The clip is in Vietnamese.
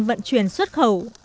vận chuyển xuất khẩu